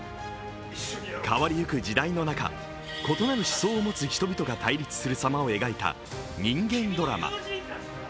変わりゆく時代の中、異なる思想を持つ人々が対立する様を描いた人間ドラマ。